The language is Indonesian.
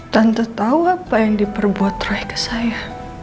tante tau apa yang diperbuat roy ke saya